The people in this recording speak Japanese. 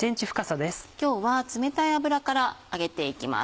今日は冷たい油から揚げていきます。